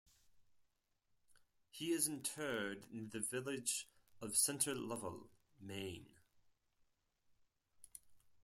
He is interred in the village of Center Lovell, Maine.